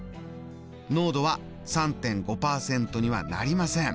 濃度は３．５％にはなりません。